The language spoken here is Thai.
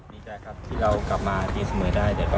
ดีใจครับที่เรากลับมายืนเสมอได้